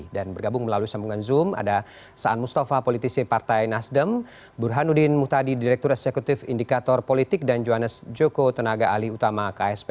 dan bergabung melalui sambungan zoom ada saan mustafa politisi partai nasdem burhanuddin mutadi direktur eksekutif indikator politik dan johannes joko tenaga ahli utama ksp